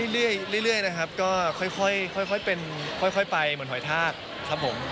เรื่อยนะครับก็ค่อยไปเหมือนหอยทากครับผม